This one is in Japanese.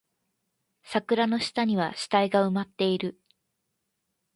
桜の下には死体が埋まっている